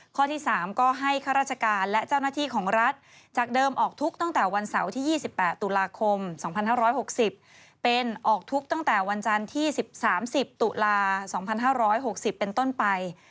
ข้อที่๓ก็ให้ข้าราชการและเจ้าหน้าที่ของรัฐจากเดิมออกทุกข์ตั้งแต่วันเสาร์ที่๒๘ตุลาคม๒๕๖๐เป็นออกทุกข์ตั้งแต่วันจันทร์ที่๑๓๐ตุลา๒๕๖๐เป็นต้นไป